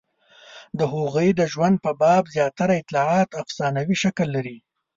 د هغوی د ژوند په باب زیاتره اطلاعات افسانوي شکل لري.